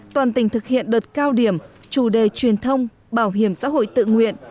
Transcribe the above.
toàn tỉnh thực hiện đợt cao điểm chủ đề truyền thông bảo hiểm xã hội tự nguyện